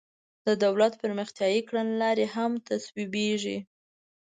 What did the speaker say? د دولت پرمختیایي کړنلارې هم تصویبیږي.